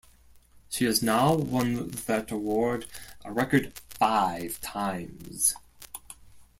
She has now won that award a record five times.